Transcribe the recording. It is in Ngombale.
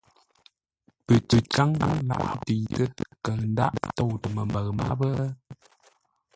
Pətíkáŋ laghʼ hó ntəitə́, kəʉ ndághʼ ntóutə məmbəʉ máp ?